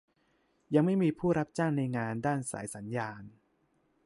ยังไม่มีผู้รับจ้างในงานด้านสายสัญญาณ